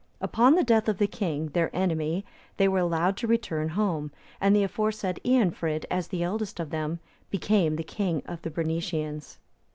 Upon the death of the king, their enemy, they were allowed to return home, and the aforesaid Eanfrid, as the eldest of them, became king of the Bernicians.